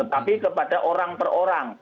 tapi kepada orang per orang